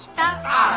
ああ！